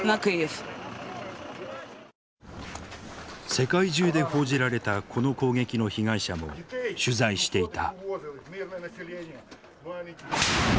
世界中で報じられたこの攻撃の被害者も取材していた。